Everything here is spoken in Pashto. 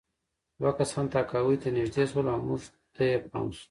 دوه کسان تهکوي ته نږدې شول او موږ ته یې پام شو